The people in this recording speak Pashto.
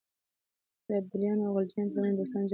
د ابدالیانو او غلجیانو ترمنځ دوستانه جرګه جوړه شوه.